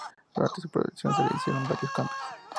Durante su producción se le hicieron varios cambios.